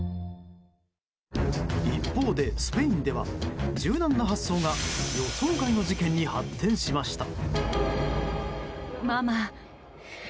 一方でスペインでは柔軟な発想が予想外の事件に発展しました。